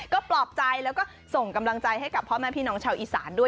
ก็ปลอบใจแล้วก็ส่งกำลังใจให้กับพ่อแม่พี่น้องชาวอีสานด้วย